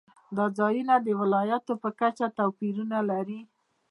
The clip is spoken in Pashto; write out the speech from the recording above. دا ځایونه د ولایاتو په کچه توپیرونه لري.